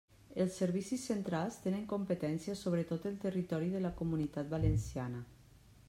Els servicis centrals tenen competència sobretot el territori de la Comunitat Valenciana.